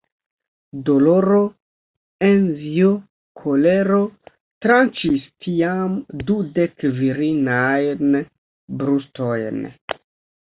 Doloro, envio, kolero, tranĉis tiam dudek virinajn brustojn.